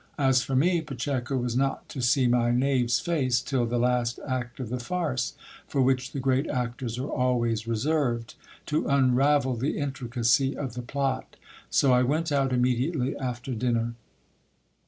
As for me, Pacheco was not to see my knave's face till the last act of the farce, for which the great actors are always reserved, to unravel the intricacy of the plot ; so I went out immediately after dinner.